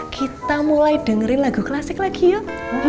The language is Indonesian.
kita mulai dengerin lagu klasik lagi yuk